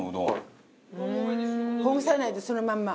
ほぐさないでそのまんま？